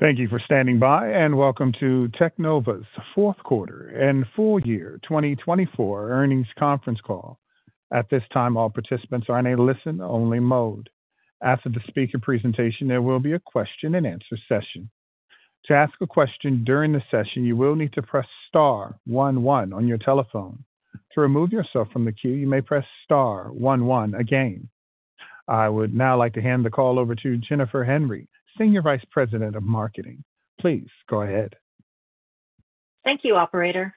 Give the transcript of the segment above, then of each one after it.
Thank you for standing by, and welcome to Teknova's fourth quarter and full year 2024 earnings conference call. At this time, all participants are in a listen-only mode. After the speaker presentation, there will be a question-and-answer session. To ask a question during the session, you will need to press star 11 on your telephone. To remove yourself from the queue, you may press star 11 again. I would now like to hand the call over to Jennifer Henry, Senior Vice President of Marketing. Please go ahead. Thank you, Operator.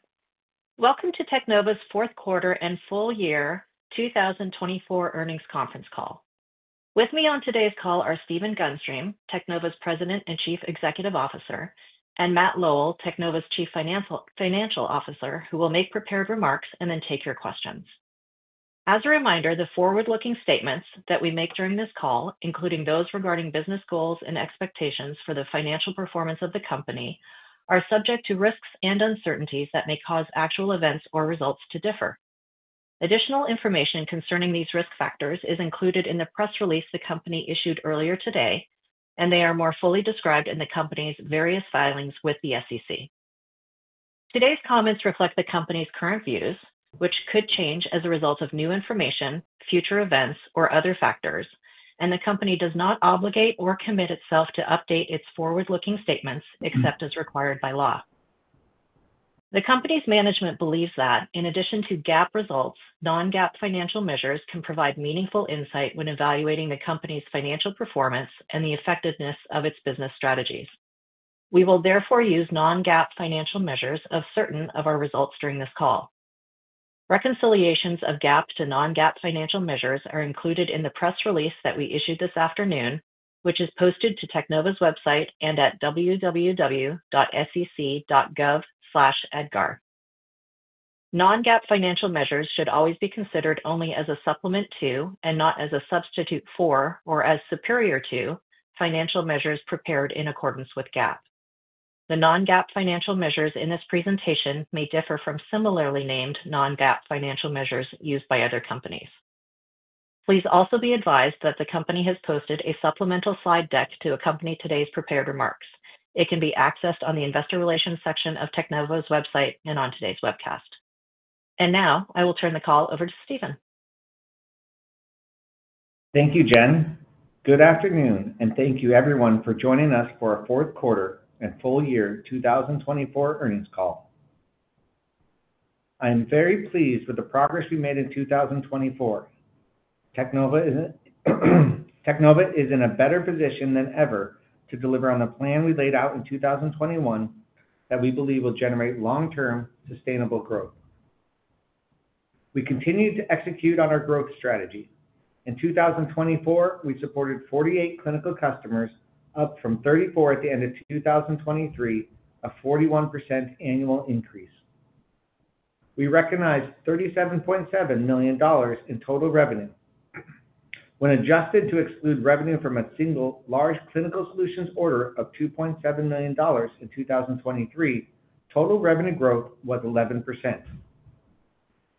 Welcome to Teknova's fourth quarter and full year 2024 earnings conference call. With me on today's call are Stephen Gunstream, Teknova's President and Chief Executive Officer, and Matt Lowell, Teknova's Chief Financial Officer, who will make prepared remarks and then take your questions. As a reminder, the forward-looking statements that we make during this call, including those regarding business goals and expectations for the financial performance of the company, are subject to risks and uncertainties that may cause actual events or results to differ. Additional information concerning these risk factors is included in the press release the company issued earlier today, and they are more fully described in the company's various filings with the SEC. Today's comments reflect the company's current views, which could change as a result of new information, future events, or other factors, and the company does not obligate or commit itself to update its forward-looking statements except as required by law. The company's management believes that, in addition to GAAP results, non-GAAP financial measures can provide meaningful insight when evaluating the company's financial performance and the effectiveness of its business strategies. We will therefore use non-GAAP financial measures as certain of our results during this call. Reconciliations of GAAP to non-GAAP financial measures are included in the press release that we issued this afternoon, which is posted to Teknova's website and at www.sec.gov/edgar. Non-GAAP financial measures should always be considered only as a supplement to, and not as a substitute for, or as superior to, financial measures prepared in accordance with GAAP. The non-GAAP financial measures in this presentation may differ from similarly named non-GAAP financial measures used by other companies. Please also be advised that the company has posted a supplemental slide deck to accompany today's prepared remarks. It can be accessed on the Investor Relations section of Teknova's website and on today's webcast. I will turn the call over to Stephen. Thank you, Jen. Good afternoon, and thank you everyone for joining us for our fourth quarter and full year 2024 earnings call. I am very pleased with the progress we made in 2024. Teknova is in a better position than ever to deliver on the plan we laid out in 2021 that we believe will generate long-term sustainable growth. We continue to execute on our growth strategy. In 2024, we supported 48 clinical customers, up from 34 at the end of 2023, a 41% annual increase. We recognized $37.7 million in total revenue. When adjusted to exclude revenue from a single large clinical solutions order of $2.7 million in 2023, total revenue growth was 11%.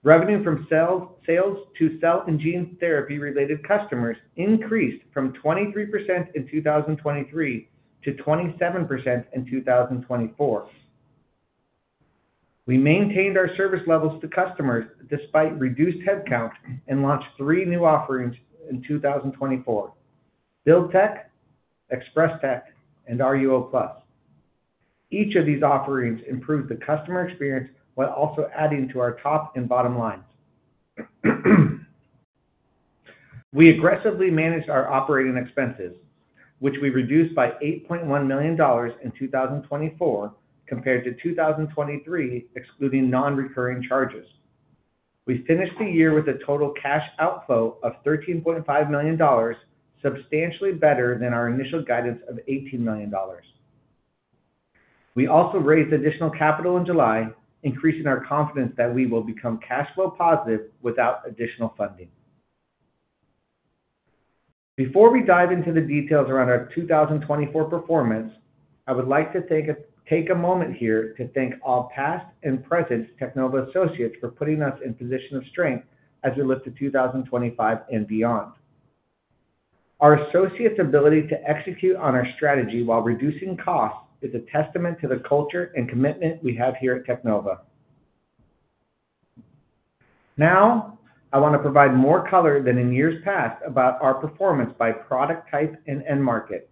Revenue from sales to cell and gene therapy-related customers increased from 23% in 2023 to 27% in 2024. We maintained our service levels to customers despite reduced headcount and launched three new offerings in 2024: Build-Tek, Express-Tek, and RUO+. Each of these offerings improved the customer experience while also adding to our top and bottom lines. We aggressively managed our operating expenses, which we reduced by $8.1 million in 2024 compared to 2023, excluding non-recurring charges. We finished the year with a total cash outflow of $13.5 million, substantially better than our initial guidance of $18 million. We also raised additional capital in July, increasing our confidence that we will become cash flow positive without additional funding. Before we dive into the details around our 2024 performance, I would like to take a moment here to thank all past and present Teknova associates for putting us in position of strength as we look to 2025 and beyond. Our associates' ability to execute on our strategy while reducing costs is a testament to the culture and commitment we have here at Teknova. Now, I want to provide more color than in years past about our performance by product type and end market.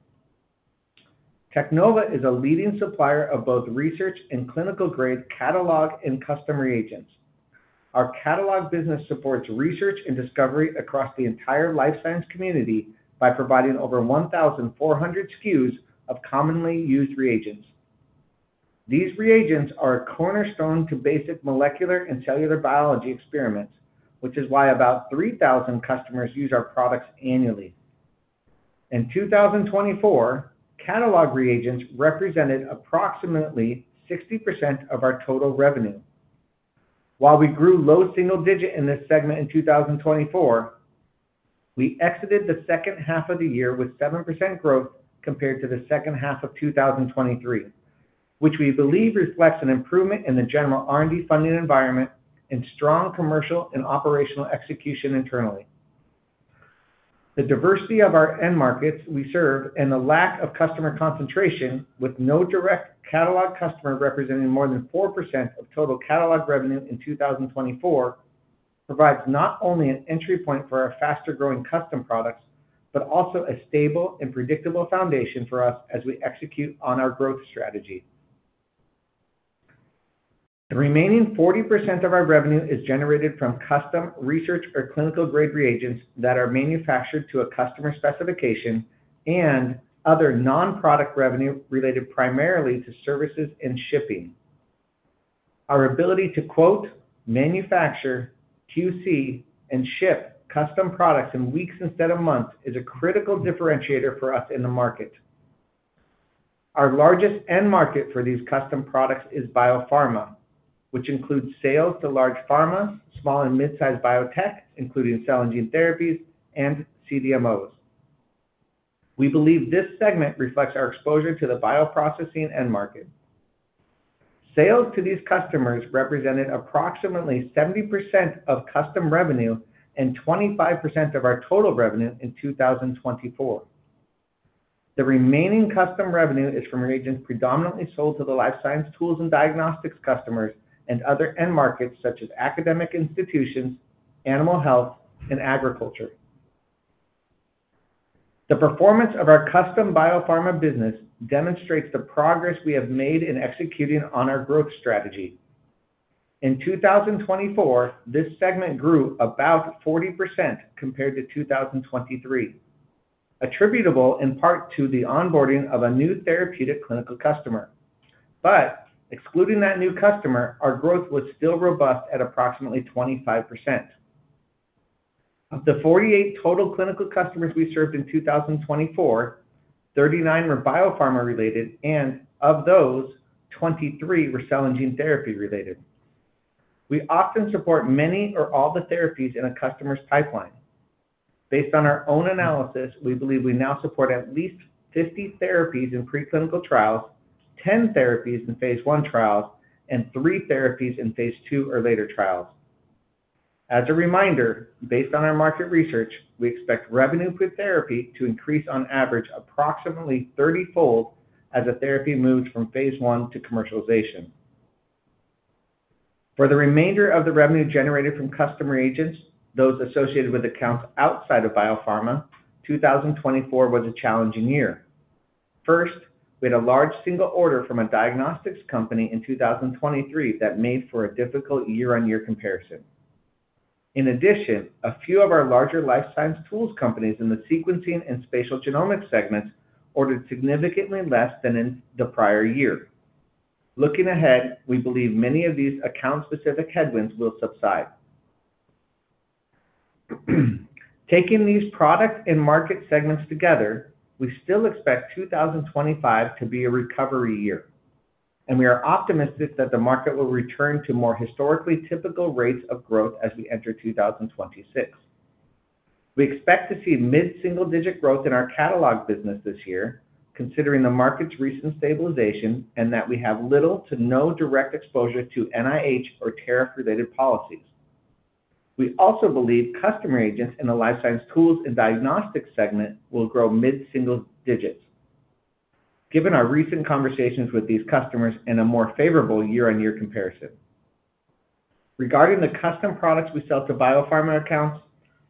Teknova is a leading supplier of both research and clinical-grade catalog and custom reagents. Our catalog business supports research and discovery across the entire life science community by providing over 1,400 SKUs of commonly used reagents. These reagents are a cornerstone to basic molecular and cellular biology experiments, which is why about 3,000 customers use our products annually. In 2024, catalog reagents represented approximately 60% of our total revenue. While we grew low single digit in this segment in 2024, we exited the second half of the year with 7% growth compared to the second half of 2023, which we believe reflects an improvement in the general R&D funding environment and strong commercial and operational execution internally. The diversity of our end markets we serve and the lack of customer concentration, with no direct catalog customer representing more than 4% of total catalog revenue in 2024, provides not only an entry point for our faster-growing custom products but also a stable and predictable foundation for us as we execute on our growth strategy. The remaining 40% of our revenue is generated from custom research or clinical-grade reagents that are manufactured to a customer specification and other non-product revenue related primarily to services and shipping. Our ability to quote, manufacture, QC, and ship custom products in weeks instead of months is a critical differentiator for us in the market. Our largest end market for these custom products is biopharma, which includes sales to large pharma, small and mid-size biotech, including cell and gene therapies, and CDMOs. We believe this segment reflects our exposure to the bioprocessing end market. Sales to these customers represented approximately 70% of custom revenue and 25% of our total revenue in 2024. The remaining custom revenue is from reagents predominantly sold to the life science tools and diagnostics customers and other end markets such as academic institutions, animal health, and agriculture. The performance of our custom biopharma business demonstrates the progress we have made in executing on our growth strategy. In 2024, this segment grew about 40% compared to 2023, attributable in part to the onboarding of a new therapeutic clinical customer. Excluding that new customer, our growth was still robust at approximately 25%. Of the 48 total clinical customers we served in 2024, 39 were biopharma-related, and of those, 23 were cell and gene therapy-related. We often support many or all the therapies in a customer's pipeline. Based on our own analysis, we believe we now support at least 50 therapies in preclinical trials, 10 therapies in phase one trials, and three therapies in phase two or later trials. As a reminder, based on our market research, we expect revenue per therapy to increase on average approximately 30-fold as a therapy moves from phase one to commercialization. For the remainder of the revenue generated from customer agents, those associated with accounts outside of biopharma, 2024 was a challenging year. First, we had a large single order from a diagnostics company in 2023 that made for a difficult year-on-year comparison. In addition, a few of our larger life science tools companies in the sequencing and spatial genomics segments ordered significantly less than in the prior year. Looking ahead, we believe many of these account-specific headwinds will subside. Taking these product and market segments together, we still expect 2025 to be a recovery year, and we are optimistic that the market will return to more historically typical rates of growth as we enter 2026. We expect to see mid-single-digit growth in our catalog business this year, considering the market's recent stabilization and that we have little to no direct exposure to NIH or tariff-related policies. We also believe customer agents in the life science tools and diagnostics segment will grow mid-single digits, given our recent conversations with these customers in a more favorable year-on-year comparison. Regarding the custom products we sell to biopharma accounts,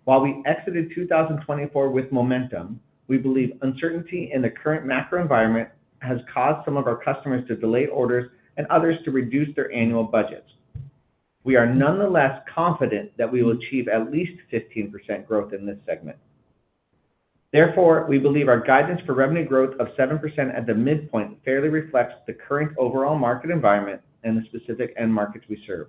while we exited 2024 with momentum, we believe uncertainty in the current macro environment has caused some of our customers to delay orders and others to reduce their annual budgets. We are nonetheless confident that we will achieve at least 15% growth in this segment. Therefore, we believe our guidance for revenue growth of 7% at the midpoint fairly reflects the current overall market environment and the specific end markets we serve.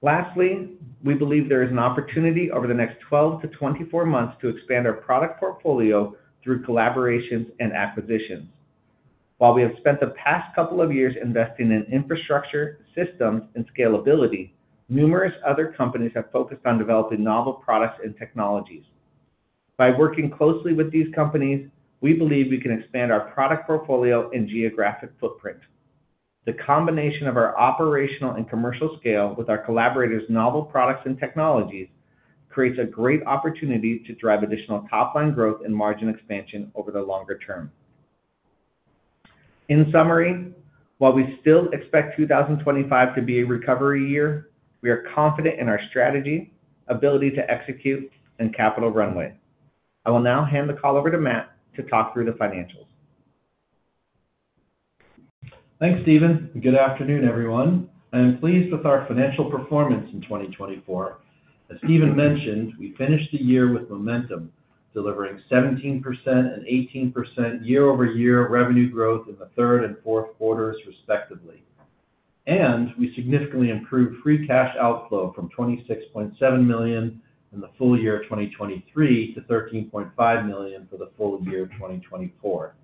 Lastly, we believe there is an opportunity over the next 12 to 24 months to expand our product portfolio through collaborations and acquisitions. While we have spent the past couple of years investing in infrastructure, systems, and scalability, numerous other companies have focused on developing novel products and technologies. By working closely with these companies, we believe we can expand our product portfolio and geographic footprint. The combination of our operational and commercial scale with our collaborators' novel products and technologies creates a great opportunity to drive additional top-line growth and margin expansion over the longer term. In summary, while we still expect 2025 to be a recovery year, we are confident in our strategy, ability to execute, and capital runway. I will now hand the call over to Matt to talk through the financials. Thanks, Stephen. Good afternoon, everyone. I am pleased with our financial performance in 2024. As Stephen mentioned, we finished the year with momentum, delivering 17% and 18% year-over-year revenue growth in the third and fourth quarters, respectively. We significantly improved free cash outflow from $26.7 million in the full year of 2023 to $13.5 million for the full year of 2024.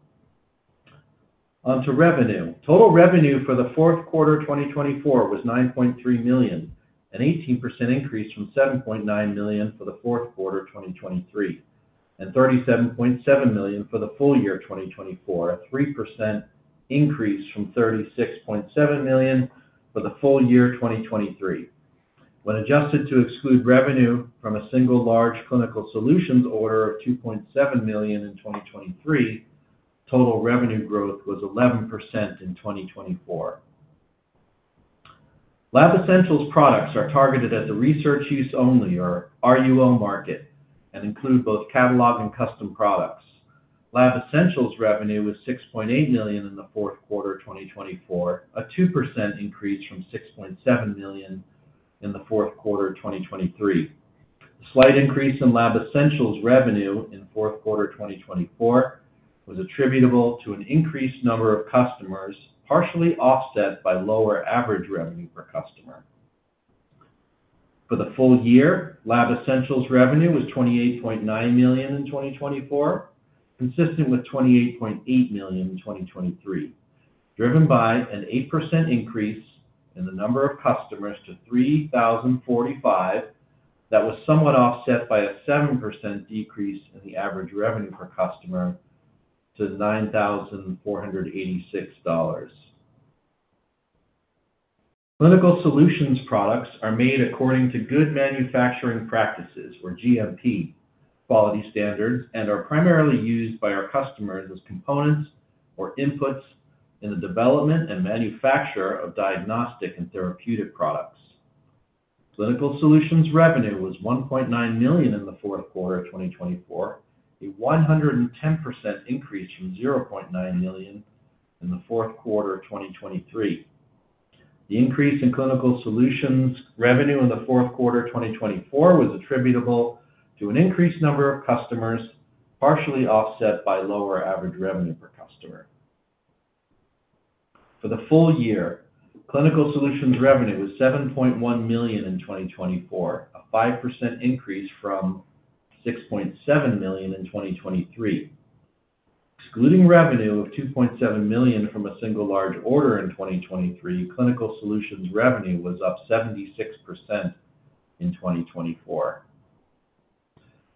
On to revenue. Total revenue for the fourth quarter of 2024 was $9.3 million, an 18% increase from $7.9 million for the fourth quarter of 2023, and $37.7 million for the full year of 2024, a 3% increase from $36.7 million for the full year of 2023. When adjusted to exclude revenue from a single large clinical solutions order of $2.7 million in 2023, total revenue growth was 11% in 2024. Lab Essentials products are targeted at the research use only or RUO market and include both catalog and custom products. Lab Essentials revenue was $6.8 million in the fourth quarter of 2024, a 2% increase from $6.7 million in the fourth quarter of 2023. The slight increase in Lab Essentials revenue in the fourth quarter of 2024 was attributable to an increased number of customers, partially offset by lower average revenue per customer. For the full year, Lab Essentials revenue was $28.9 million in 2024, consistent with $28.8 million in 2023, driven by an 8% increase in the number of customers to 3,045 that was somewhat offset by a 7% decrease in the average revenue per customer to $9,486. Clinical solutions products are made according to Good Manufacturing Practices, or GMP, quality standards, and are primarily used by our customers as components or inputs in the development and manufacture of diagnostic and therapeutic products. Clinical solutions revenue was $1.9 million in the fourth quarter of 2024, a 110% increase from $0.9 million in the fourth quarter of 2023. The increase in clinical solutions revenue in the fourth quarter of 2024 was attributable to an increased number of customers, partially offset by lower average revenue per customer. For the full year, clinical solutions revenue was $7.1 million in 2024, a 5% increase from $6.7 million in 2023. Excluding revenue of $2.7 million from a single large order in 2023, clinical solutions revenue was up 76% in 2024.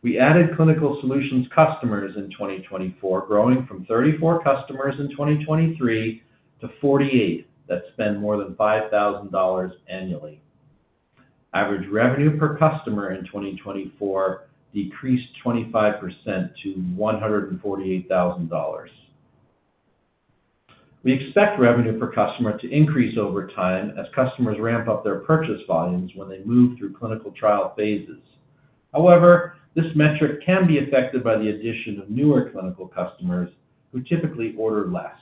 We added clinical solutions customers in 2024, growing from 34 customers in 2023 to 48 that spend more than $5,000 annually. Average revenue per customer in 2024 decreased 25% to $148,000. We expect revenue per customer to increase over time as customers ramp up their purchase volumes when they move through clinical trial phases. However, this metric can be affected by the addition of newer clinical customers who typically order less.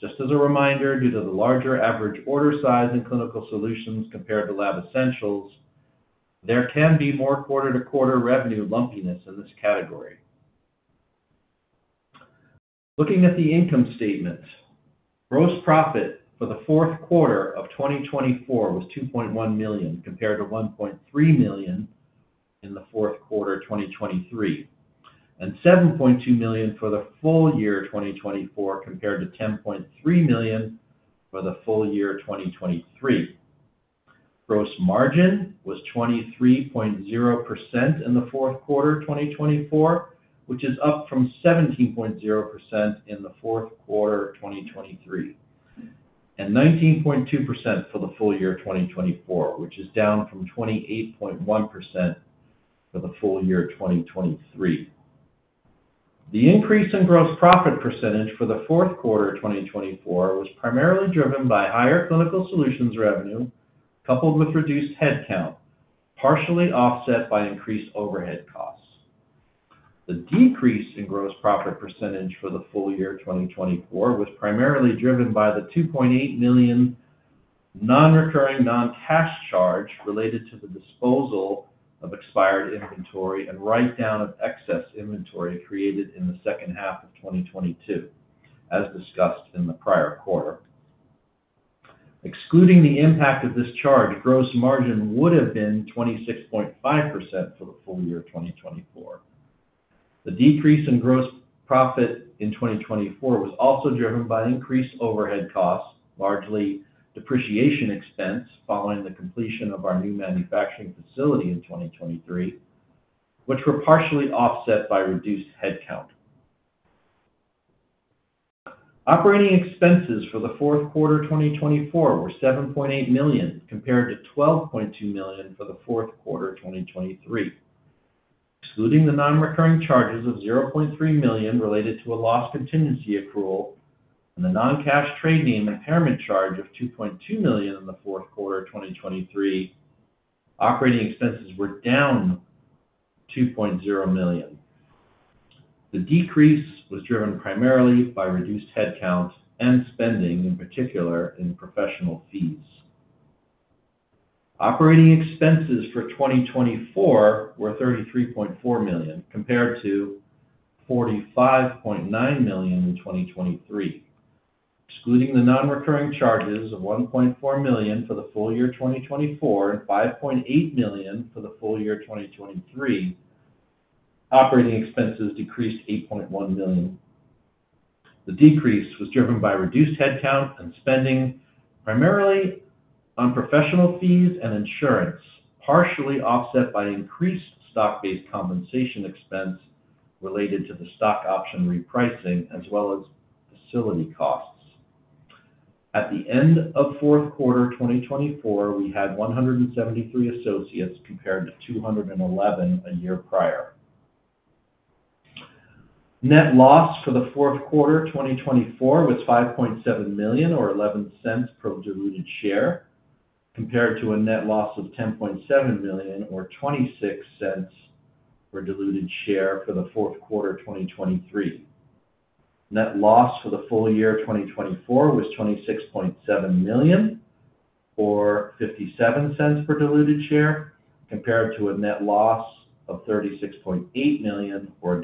Just as a reminder, due to the larger average order size in Clinical Solutions compared to Lab Essentials, there can be more quarter-to-quarter revenue lumpiness in this category. Looking at the income statement, gross profit for the fourth quarter of 2024 was $2.1 million compared to $1.3 million in the fourth quarter of 2023, and $7.2 million for the full year of 2024 compared to $10.3 million for the full year of 2023. Gross margin was 23.0% in the fourth quarter of 2024, which is up from 17.0% in the fourth quarter of 2023, and 19.2% for the full year of 2024, which is down from 28.1% for the full year of 2023. The increase in gross profit percentage for the fourth quarter of 2024 was primarily driven by higher clinical solutions revenue coupled with reduced headcount, partially offset by increased overhead costs. The decrease in gross profit percentage for the full year of 2024 was primarily driven by the $2.8 million non-recurring non-cash charge related to the disposal of expired inventory and write-down of excess inventory created in the second half of 2022, as discussed in the prior quarter. Excluding the impact of this charge, gross margin would have been 26.5% for the full year of 2024. The decrease in gross profit in 2024 was also driven by increased overhead costs, largely depreciation expense following the completion of our new manufacturing facility in 2023, which were partially offset by reduced headcount. Operating expenses for the fourth quarter of 2024 were $7.8 million compared to $12.2 million for the fourth quarter of 2023. Excluding the non-recurring charges of $0.3 million related to a loss contingency accrual and the non-cash trade name impairment charge of $2.2 million in the fourth quarter of 2023, operating expenses were down $2.0 million. The decrease was driven primarily by reduced headcount and spending, in particular, in professional fees. Operating expenses for 2024 were $33.4 million compared to $45.9 million in 2023. Excluding the non-recurring charges of $1.4 million for the full year of 2024 and $5.8 million for the full year of 2023, operating expenses decreased $8.1 million. The decrease was driven by reduced headcount and spending primarily on professional fees and insurance, partially offset by increased stock-based compensation expense related to the stock option repricing, as well as facility costs. At the end of fourth quarter 2024, we had 173 associates compared to 211 a year prior. Net loss for the fourth quarter 2024 was $5.7 million or $0.11 per diluted share compared to a net loss of $10.7 million or $0.26 per diluted share for the fourth quarter 2023. Net loss for the full year of 2024 was $26.7 million or $0.57 per diluted share compared to a net loss of $36.8 million or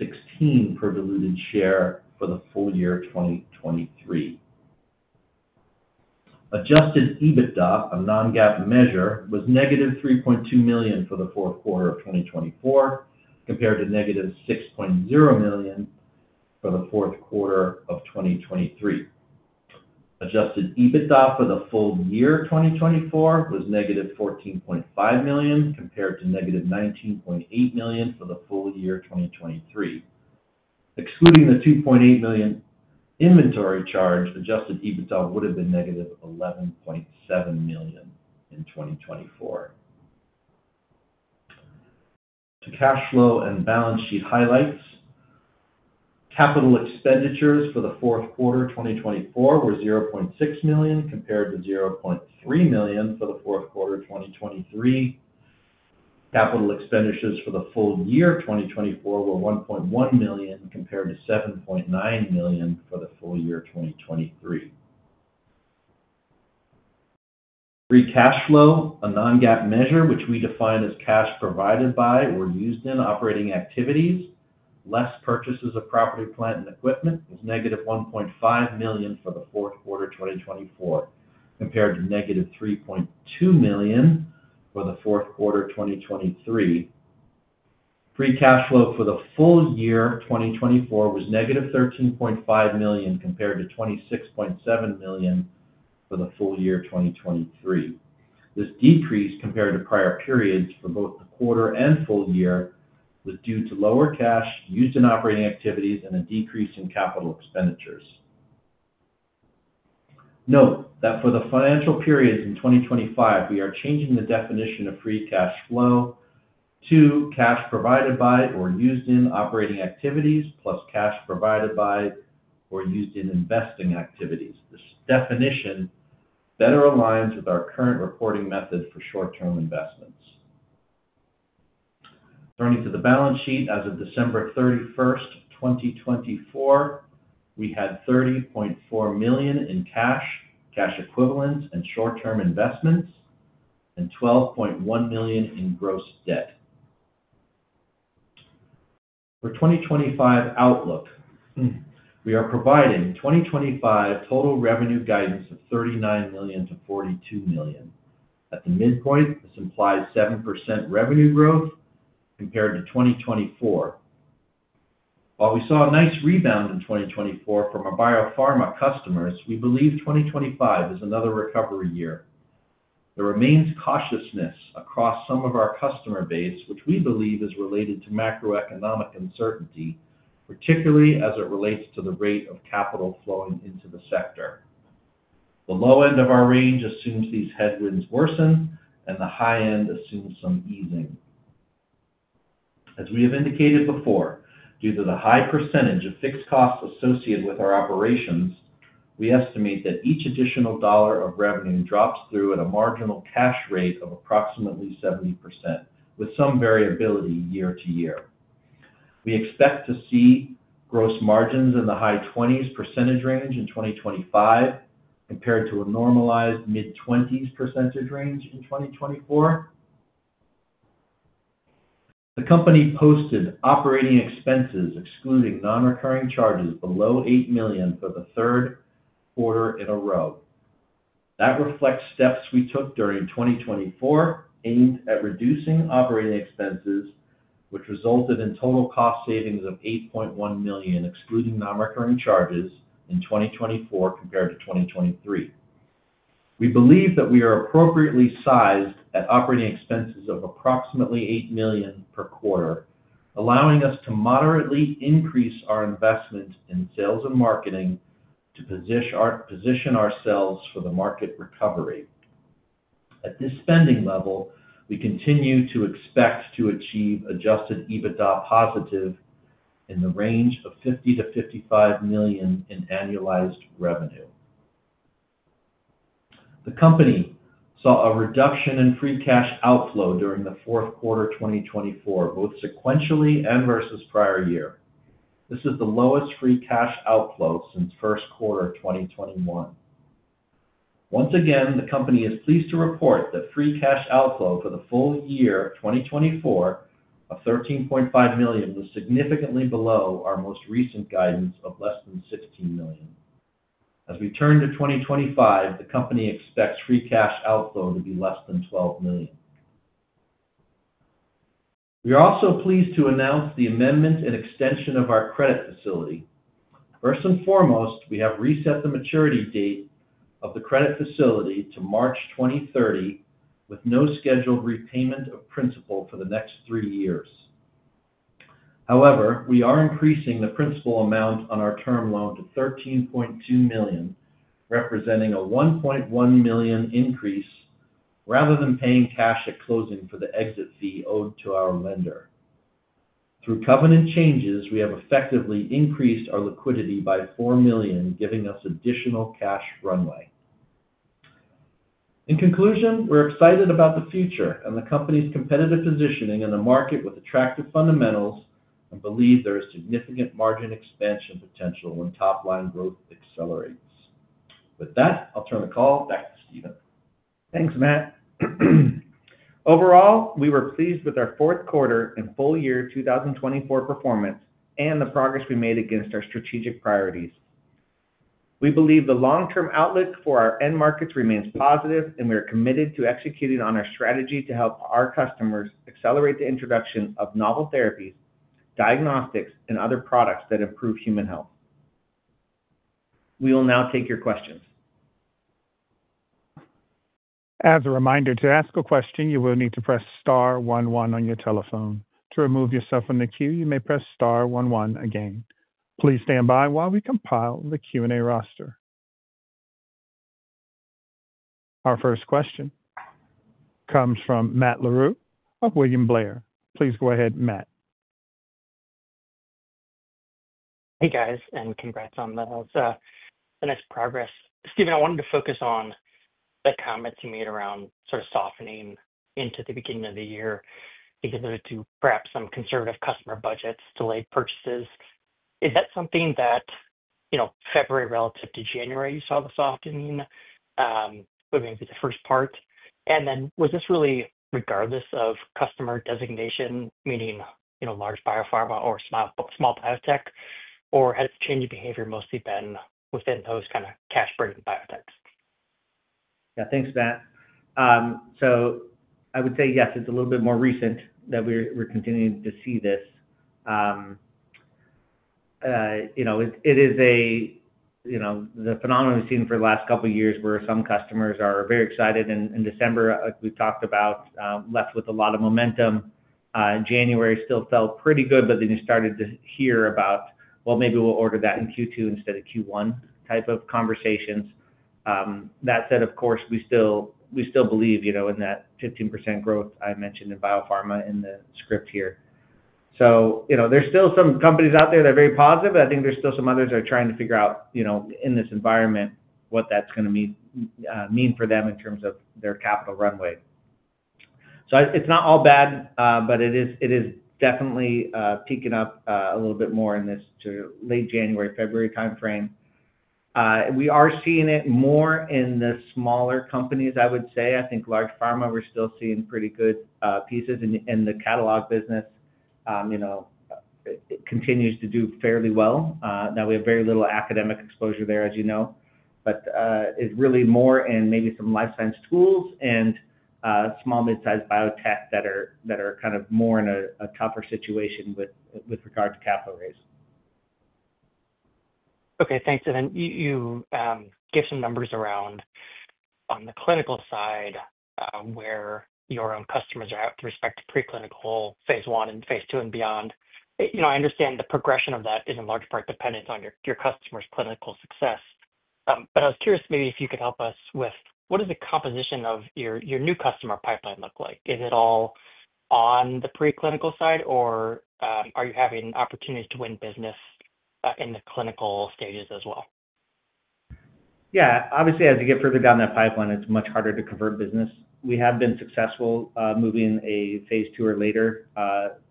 $1.16 per diluted share for the full year of 2023. Adjusted EBITDA, a non-GAAP measure, was negative $3.2 million for the fourth quarter of 2024 compared to negative $6.0 million for the fourth quarter of 2023. Adjusted EBITDA for the full year of 2024 was negative $14.5 million compared to negative $19.8 million for the full year of 2023. Excluding the $2.8 million inventory charge, adjusted EBITDA would have been negative $11.7 million in 2024. To cash flow and balance sheet highlights, capital expenditures for the fourth quarter of 2024 were $0.6 million compared to $0.3 million for the fourth quarter of 2023. Capital expenditures for the full year of 2024 were $1.1 million compared to $7.9 million for the full year of 2023. Free cash flow, a non-GAAP measure, which we define as cash provided by or used in operating activities, less purchases of property, plant, and equipment, was negative $1.5 million for the fourth quarter of 2024 compared to negative $3.2 million for the fourth quarter of 2023. Free cash flow for the full year of 2024 was negative $13.5 million compared to $26.7 million for the full year of 2023. This decrease compared to prior periods for both the quarter and full year was due to lower cash used in operating activities and a decrease in capital expenditures. Note that for the financial periods in 2025, we are changing the definition of free cash flow to cash provided by or used in operating activities plus cash provided by or used in investing activities. This definition better aligns with our current reporting method for short-term investments. Turning to the balance sheet, as of December 31, 2024, we had $30.4 million in cash, cash equivalents, and short-term investments, and $12.1 million in gross debt. For 2025 outlook, we are providing 2025 total revenue guidance of $39 million-$42 million. At the midpoint, this implies 7% revenue growth compared to 2024. While we saw a nice rebound in 2024 from our biopharma customers, we believe 2025 is another recovery year. There remains cautiousness across some of our customer base, which we believe is related to macroeconomic uncertainty, particularly as it relates to the rate of capital flowing into the sector. The low end of our range assumes these headwinds worsen, and the high end assumes some easing. As we have indicated before, due to the high percentage of fixed costs associated with our operations, we estimate that each additional dollar of revenue drops through at a marginal cash rate of approximately 70%, with some variability year to year. We expect to see gross margins in the high 20s percentage range in 2025 compared to a normalized mid-20s percentage range in 2024. The company posted operating expenses, excluding non-recurring charges, below $8 million for the third quarter in a row. That reflects steps we took during 2024 aimed at reducing operating expenses, which resulted in total cost savings of $8.1 million, excluding non-recurring charges, in 2024 compared to 2023. We believe that we are appropriately sized at operating expenses of approximately $8 million per quarter, allowing us to moderately increase our investment in sales and marketing to position ourselves for the market recovery. At this spending level, we continue to expect to achieve adjusted EBITDA positive in the range of $50-$55 million in annualized revenue. The company saw a reduction in free cash outflow during the fourth quarter of 2024, both sequentially and versus prior year. This is the lowest free cash outflow since first quarter of 2021. Once again, the company is pleased to report that free cash outflow for the full year of 2024 of $13.5 million was significantly below our most recent guidance of less than $16 million. As we turn to 2025, the company expects free cash outflow to be less than $12 million. We are also pleased to announce the amendment and extension of our credit facility. First and foremost, we have reset the maturity date of the credit facility to March 2030, with no scheduled repayment of principal for the next three years. However, we are increasing the principal amount on our term loan to $13.2 million, representing a $1.1 million increase rather than paying cash at closing for the exit fee owed to our lender. Through covenant changes, we have effectively increased our liquidity by $4 million, giving us additional cash runway. In conclusion, we're excited about the future and the company's competitive positioning in a market with attractive fundamentals and believe there is significant margin expansion potential when top-line growth accelerates. With that, I'll turn the call back to Stephen. Thanks, Matt. Overall, we were pleased with our fourth quarter and full year 2024 performance and the progress we made against our strategic priorities. We believe the long-term outlook for our end markets remains positive, and we are committed to executing on our strategy to help our customers accelerate the introduction of novel therapies, diagnostics, and other products that improve human health. We will now take your questions. As a reminder, to ask a question, you will need to press star 11 on your telephone. To remove yourself from the queue, you may press star 11 again. Please stand by while we compile the Q&A roster. Our first question comes from Matt Larew of William Blair. Please go ahead, Matt. Hey, guys, and congrats on the nice progress. Stephen, I wanted to focus on the comments you made around sort of softening into the beginning of the year because there were two perhaps some conservative customer budgets delayed purchases. Is that something that, you know, February relative to January, you saw the softening moving to the first part? And then was this really regardless of customer designation, meaning, you know, large biopharma or small biotech, or had the change of behavior mostly been within those kind of cash-biotEV6? Yeah, thanks, Matt. I would say, yes, it's a little bit more recent that we're continuing to see this. You know, it is a, you know, the phenomenon we've seen for the last couple of years where some customers are very excited. In December, like we've talked about, left with a lot of momentum. January still felt pretty good, but then you started to hear about, well, maybe we'll order that in Q2 instead of Q1 type of conversations. That said, of course, we still believe, you know, in that 15% growth I mentioned in biopharma in the script here. So, you know, there's still some companies out there that are very positive, but I think there's still some others that are trying to figure out, you know, in this environment, what that's going to mean for them in terms of their capital runway. So it's not all bad, but it is definitely peaking up a little bit more in this sort of late January, February time frame. We are seeing it more in the smaller companies, I would say. I think large pharma, we're still seeing pretty good pieces, and the catalog business, you know, continues to do fairly well. Now, we have very little academic exposure there, as you know, but it's really more in maybe some life science tools and small-mid-sized biotech that are kind of more in a tougher situation with regard to capital raise. Okay, thanks. You give some numbers around on the clinical side where your own customers are at with respect to preclinical phase one and phase two and beyond. You know, I understand the progression of that is in large part dependent on your customer's clinical success. I was curious maybe if you could help us with what does the composition of your new customer pipeline look like? Is it all on the preclinical side, or are you having opportunities to win business in the clinical stages as well? Yeah, obviously, as you get further down that pipeline, it's much harder to convert business. We have been successful moving a phase two or later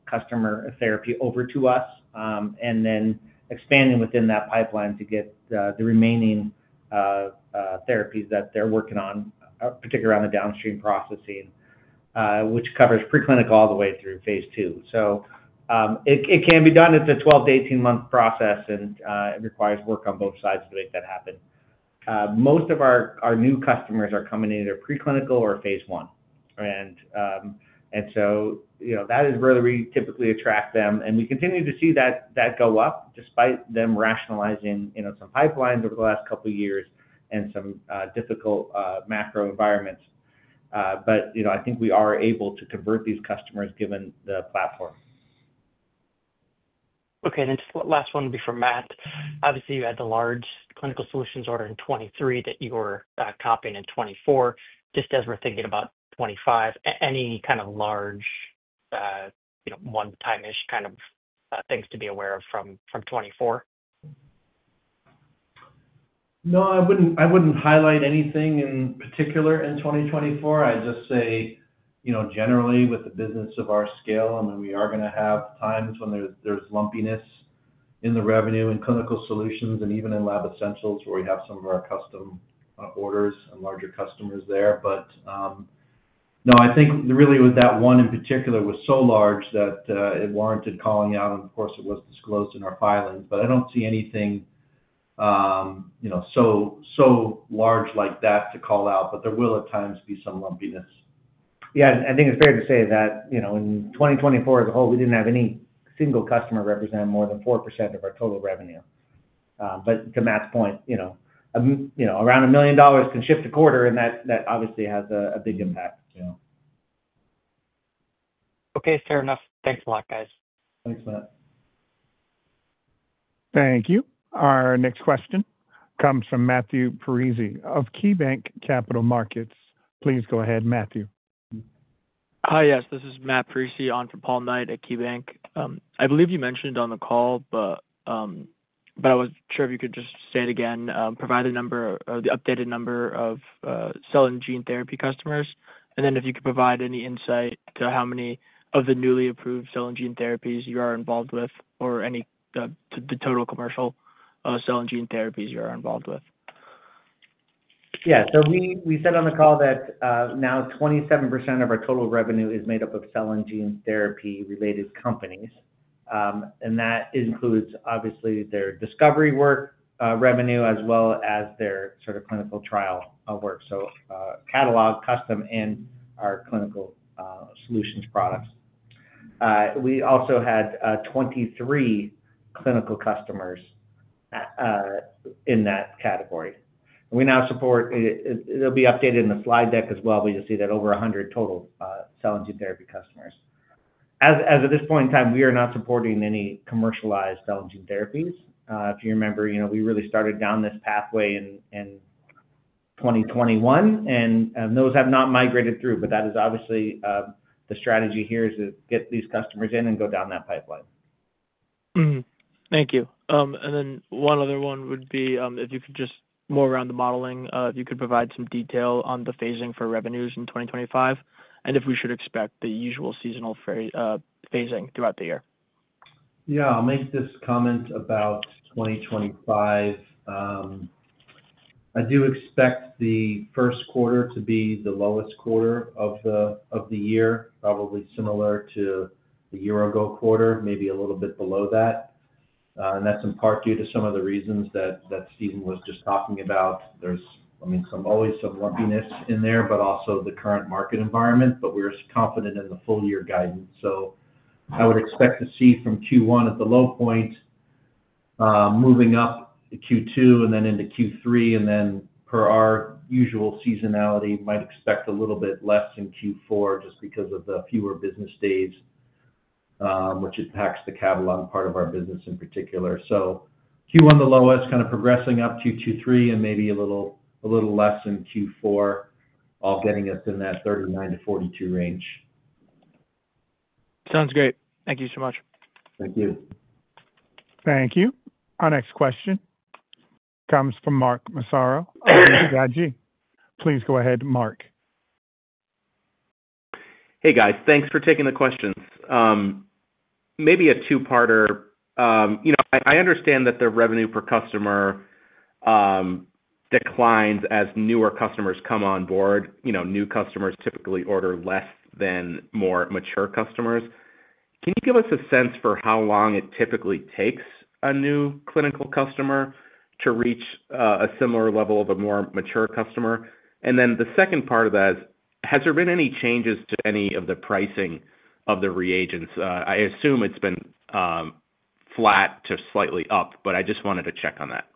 customer therapy over to us and then expanding within that pipeline to get the remaining therapies that they're working on, particularly around the downstream processing, which covers preclinical all the way through phase two. It can be done. It's a 12- to 18-month process, and it requires work on both sides to make that happen. Most of our new customers are coming either preclinical or phase one. You know, that is where we typically attract them. We continue to see that go up despite them rationalizing some pipelines over the last couple of years and some difficult macro environments. You know, I think we are able to convert these customers given the platform. Okay, and then just the last one would be for Matt. Obviously, you had the large clinical solutions order in 2023 that you were copying in 2024. Just as we're thinking about 2025, any kind of large, you know, one-time-ish kind of things to be aware of from 2024? No, I wouldn't highlight anything in particular in 2024. I'd just say, you know, generally, with the business of our scale, I mean, we are going to have times when there's lumpiness in the revenue in clinical solutions and even in lab essentials where we have some of our custom orders and larger customers there. No, I think really with that one in particular was so large that it warranted calling out, and of course, it was disclosed in our filings. I don't see anything, you know, so large like that to call out, but there will at times be some lumpiness. Yeah, I think it's fair to say that, you know, in 2024 as a whole, we didn't have any single customer represent more than 4% of our total revenue. But to Matt's point, you know, around a million dollars can shift a quarter, and that obviously has a big impact. Yeah. Okay, fair enough. Thanks a lot, guys. Thanks, Matt. Thank you. Our next question comes from Matthew Parisi of KeyBanc Capital Markets. Please go ahead, Matthew. Hi, yes, this is Matt Parisi on for Paul Knight at KeyBanc. I believe you mentioned on the call, but I was sure if you could just say it again, provide the updated number of selling gene therapy customers, and then if you could provide any insight to how many of the newly approved cell and gene therapies you are involved with or any of the total commercial selling gene therapies you are involved with Yeah, so we said on the call that now 27% of our total revenue is made up of selling gene therapy-related companies. That includes, obviously, their discovery work revenue as well as their sort of clinical trial work. Catalog, custom, and our clinical solutions products. We also had 23 clinical customers in that category. We now support, it will be updated in the slide deck as well, but you will see that over 100 total selling gene therapy customers. As of this point in time, we are not supporting any commercialized selling gene therapies. If you remember, you know, we really started down this pathway in 2021, and those have not migrated through, but that is obviously the strategy here is to get these customers in and go down that pipeline. Thank you. One other one would be if you could just more around the modeling, if you could provide some detail on the phasing for revenues in 2025 and if we should expect the usual seasonal phasing throughout the year. Yeah, I'll make this comment about 2025. I do expect the first quarter to be the lowest quarter of the year, probably similar to the year-ago quarter, maybe a little bit below that. That is in part due to some of the reasons that Stephen was just talking about. There's, I mean, always some lumpiness in there, but also the current market environment, but we're confident in the full year guidance. I would expect to see from Q1 at the low point, moving up to Q2 and then into Q3, and then per our usual seasonality, might expect a little bit less in Q4 just because of the fewer business days, which impacts the catalog part of our business in particular. Q1 the lowest, kind of progressing up to Q2, Q3, and maybe a little less in Q4, all getting us in that 39-42 range. Sounds great. Thank you so much. Thank you. Thank you. Our next question comes from Mark Massaro, BTIG. Please go ahead, Mark. Hey, guys, thanks for taking the questions. Maybe a two-parter. You know, I understand that the revenue per customer declines as newer customers come on board. You know, new customers typically order less than more mature customers. Can you give us a sense for how long it typically takes a new clinical customer to reach a similar level of a more mature customer? The second part of that is, has there been any changes to any of the pricing of the reagents? I assume it's been flat to slightly up, but I just wanted to check on that.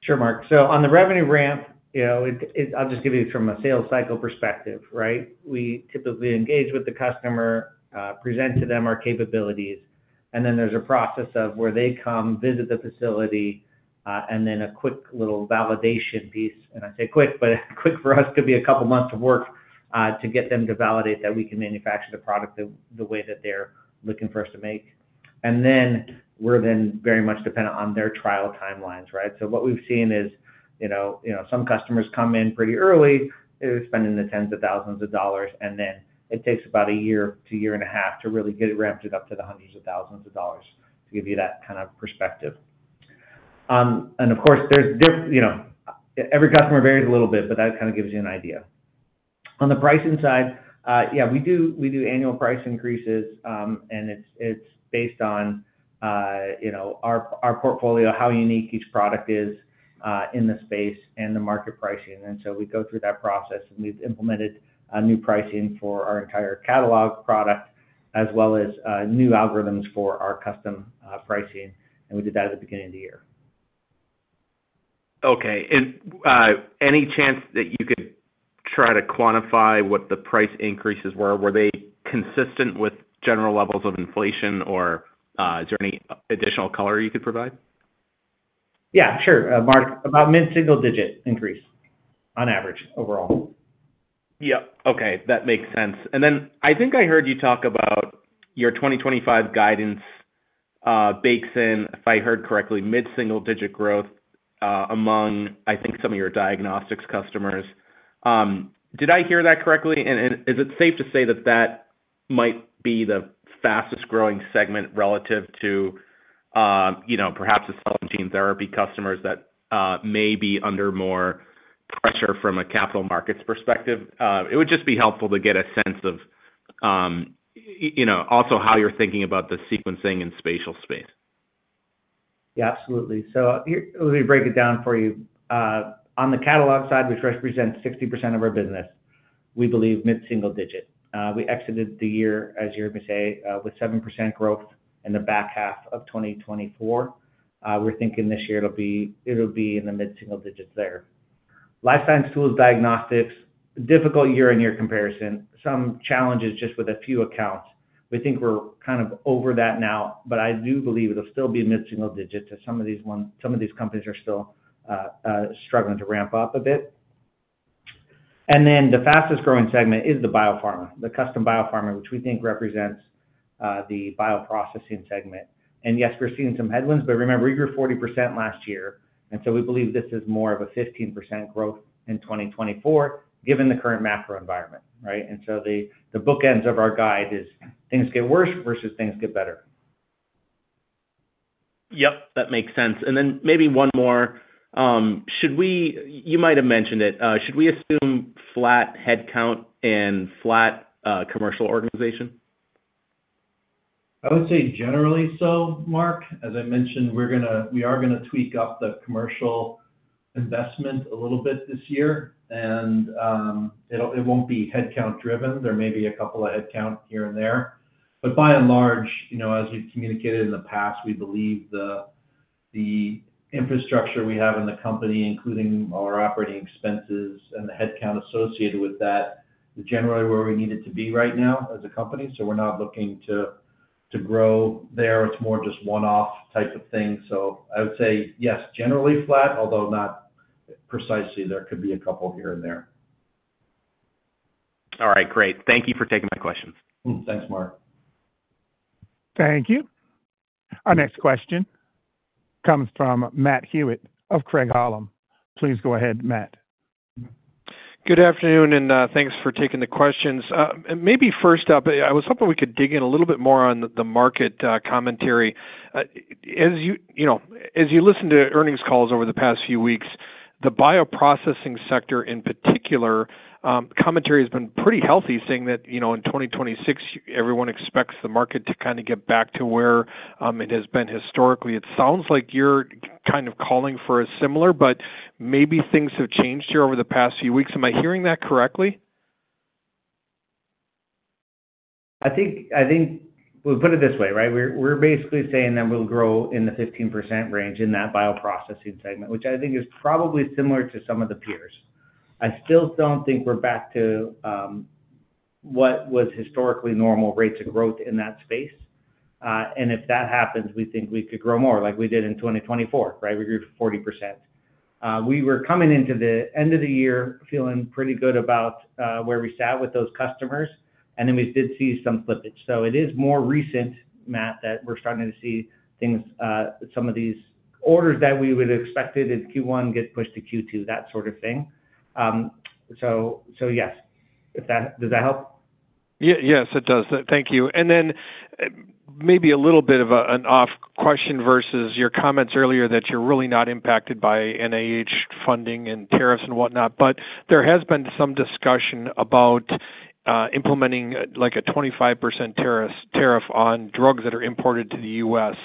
Sure, Mark. On the revenue ramp, you know, I'll just give you from a sales cycle perspective, right? We typically engage with the customer, present to them our capabilities, and then there's a process of where they come, visit the facility, and then a quick little validation piece. I say quick, but quick for us could be a couple of months of work to get them to validate that we can manufacture the product the way that they're looking for us to make. We are then very much dependent on their trial timelines, right? What we've seen is, you know, some customers come in pretty early, spending the tens of thousands of dollars, and then it takes about a year to year and a half to really get it ramped up to the hundreds of thousands of dollars to give you that kind of perspective. Of course, there's, you know, every customer varies a little bit, but that kind of gives you an idea. On the pricing side, yeah, we do annual price increases, and it's based on, you know, our portfolio, how unique each product is in the space and the market pricing. We go through that process, and we've implemented new pricing for our entire catalog product as well as new algorithms for our custom pricing. We did that at the beginning of the year. Okay. Any chance that you could try to quantify what the price increases were? Were they consistent with general levels of inflation, or is there any additional color you could provide? Yeah, sure. Mark, about mid-single-digit increase on average overall. Yep. Okay. That makes sense. I think I heard you talk about your 2025 guidance bakes in, if I heard correctly, mid-single-digit growth among, I think, some of your diagnostics customers. Did I hear that correctly? Is it safe to say that that might be the fastest-growing segment relative to, you know, perhaps the cell and gene therapy customers that may be under more pressure from a capital markets perspective? It would just be helpful to get a sense of, you know, also how you're thinking about the sequencing in spatial space. Yeah, absolutely. Let me break it down for you. On the catalog side, which represents 60% of our business, we believe mid-single-digit. We exited the year, as you heard me say, with 7% growth in the back half of 2024. We're thinking this year it'll be in the mid-single digits there. Life science tools, diagnostics, difficult year-on-year comparison, some challenges just with a few accounts. We think we're kind of over that now, but I do believe it'll still be mid-single digit to some of these companies are still struggling to ramp up a bit. The fastest-growing segment is the biopharma, the custom biopharma, which we think represents the bioprocessing segment. Yes, we're seeing some headwinds, but remember, you were 40% last year. We believe this is more of a 15% growth in 2024 given the current macro environment, right? The bookends of our guide is things get worse versus things get better. Yep, that makes sense. Maybe one more. Should we, you might have mentioned it, should we assume flat headcount and flat commercial organization? I would say generally so, Mark. As I mentioned, we are going to tweak up the commercial investment a little bit this year, and it will not be headcount-driven. There may be a couple of headcount here and there. By and large, you know, as we have communicated in the past, we believe the infrastructure we have in the company, including our operating expenses and the headcount associated with that, is generally where we need it to be right now as a company. We are not looking to grow there. It's more just one-off type of thing. I would say, yes, generally flat, although not precisely. There could be a couple here and there. All right, great. Thank you for taking my questions. Thanks, Mark. Thank you. Our next question comes from Matt Hewitt of Craig-Hallum. Please go ahead, Matt. Good afternoon, and thanks for taking the questions. Maybe first up, I was hoping we could dig in a little bit more on the market commentary. As you listen to earnings calls over the past few weeks, the bioprocessing sector in particular, commentary has been pretty healthy, saying that, you know, in 2026, everyone expects the market to kind of get back to where it has been historically. It sounds like you're kind of calling for a similar, but maybe things have changed here over the past few weeks. Am I hearing that correctly? I think we'll put it this way, right? We're basically saying that we'll grow in the 15% range in that bioprocessing segment, which I think is probably similar to some of the peers. I still don't think we're back to what was historically normal rates of growth in that space. If that happens, we think we could grow more like we did in 2024, right? We grew 40%. We were coming into the end of the year feeling pretty good about where we sat with those customers, and we did see some slippage. It is more recent, Matt, that we're starting to see things, some of these orders that we would have expected in Q1 get pushed to Q2, that sort of thing. Yes, does that help? Yes, it does. Thank you. Maybe a little bit of an off question versus your comments earlier that you're really not impacted by NIH funding and tariffs and whatnot, but there has been some discussion about implementing like a 25% tariff on drugs that are imported to the U.S.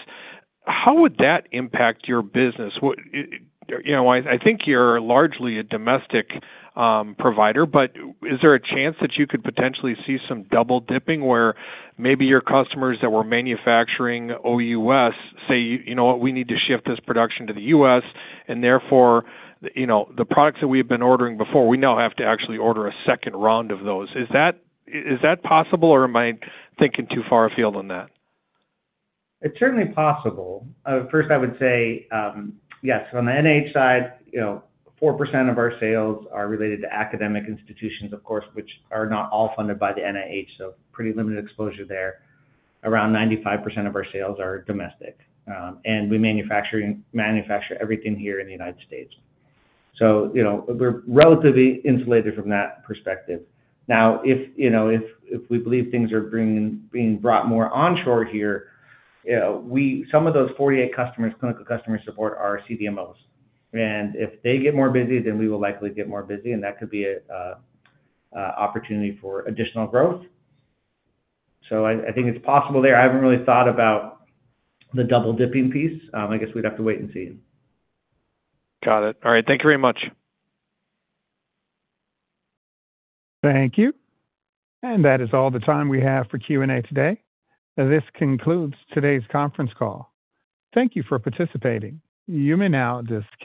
How would that impact your business? You know, I think you're largely a domestic provider, but is there a chance that you could potentially see some double dipping where maybe your customers that were manufacturing OUS say, you know what, we need to shift this production to the U.S., and therefore, you know, the products that we have been ordering before, we now have to actually order a second round of those. Is that possible, or am I thinking too far afield on that? It's certainly possible. First, I would say, yes, on the NIH side, you know, 4% of our sales are related to academic institutions, of course, which are not all funded by the NIH, so pretty limited exposure there. Around 95% of our sales are domestic, and we manufacture everything here in the United States. You know, we're relatively insulated from that perspective. Now, if, you know, if we believe things are being brought more onshore here, some of those 48 customers, clinical customers support our CDMOs. If they get more busy, then we will likely get more busy, and that could be an opportunity for additional growth. I think it's possible there. I haven't really thought about the double dipping piece. I guess we'd have to wait and see. Got it. All right. Thank you very much. Thank you. That is all the time we have for Q&A today. This concludes today's conference call. Thank you for participating. You may now disconnect.